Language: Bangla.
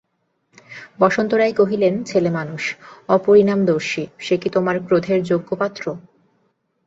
বসন্ত রায় কহিলেন, ছেলেমানুষ, অপরিণামদর্শী, সে কি তোমার ক্রোধের যোগ্য পাত্র?